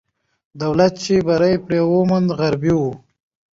دولت چې بری پرې وموند، غربي وو.